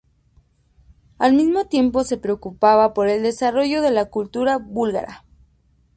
Al mismo tiempo se preocupaba por el desarrollo de la cultura búlgara.